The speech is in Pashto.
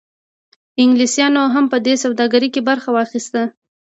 انګلیسانو هم په دې سوداګرۍ کې برخه واخیسته.